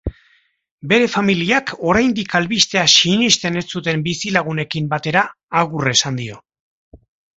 Bere familiak oraindik albistea sinesten ez zuten bizilagunekin batera agur esan dio.